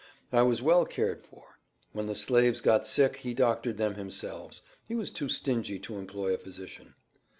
I was well cared for. When the slaves got sick he doctored them himself, he was too stingy to employ a physician.